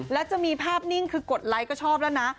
แล้วจะมีภาพนิ่งคือกดไลค์ก็ชอบแล้วนะ